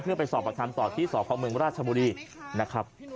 เพื่อไปสอบบัดคลามตอบที่สคมราชบุรีนะครับ